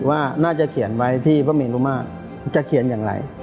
ว่าน่าจะเขียนไว้ที่พระเมรุมาตรจะเขียนอย่างไร